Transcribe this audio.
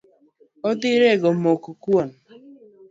Odhi rego mok kuon.